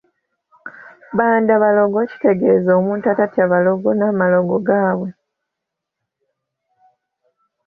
Bbandabalogo kitegeeza omuntu atatya balogo n’amalogo gaabwe.